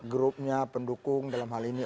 grupnya pendukung dalam hal ini